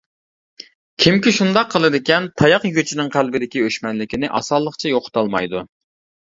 كىمكى شۇنداق قىلىدىكەن، تاياق يېگۈچىنىڭ قەلبىدىكى ئۆچمەنلىكنى ئاسانلىقچە يوقىتالمايدۇ.